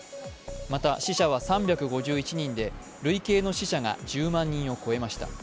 また、死者は３５１人で累計の死者が１０万人を超えました。